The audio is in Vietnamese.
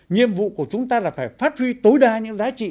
nhiệm vụ của chúng ta là phải phát huy tối đa những giá trị